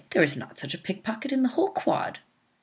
There is not such a pickpocket in the whole quad."